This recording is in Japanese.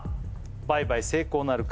倍買成功なるか？